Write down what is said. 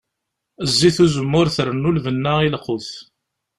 Zzit n uzemmur trennu lbenna i lqut.